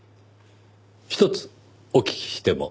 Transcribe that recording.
ひとつお聞きしても？